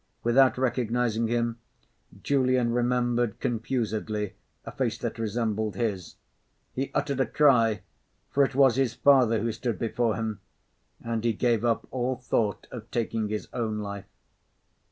Without recognising him, Julian remembered confusedly a face that resembled his. He uttered a cry; for it was his father who stood before him; and he gave up all thought of taking his own life.